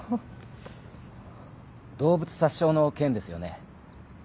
動物殺傷の件ですよね？